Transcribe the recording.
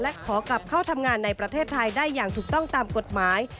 และขอกลับเข้าทำงานในประเทศไทยได้อย่างถูกต้องตามกฎหมาย